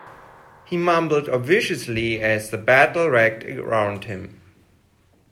He mumbled obliviously as the battle raged around him.